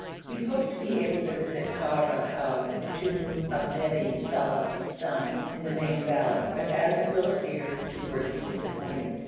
We hoped to be able to visit Kabr Houd, the tomb of Nebi Saleh's son, in the main valley, but, as it will appear, we were to be disappointed.